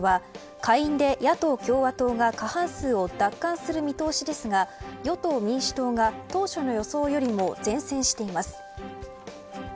開票が進むアメリカの中間選挙は下院で野党・共和党が過半数を奪還する見通しですが与党・民主党が当初の予想よりも善戦しています。